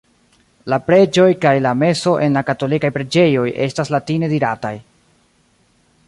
La preĝoj kaj la meso en la katolikaj preĝejoj estas latine dirataj.